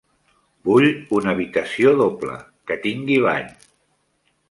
Vull una habitació doble, que tingui bany.